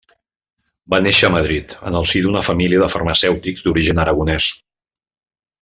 Va néixer a Madrid en el si d'una família de farmacèutics d'origen aragonès.